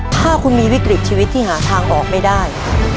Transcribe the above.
ถ้าคุณมีวิกฤตชีวิตที่หาทางออกไม่ได้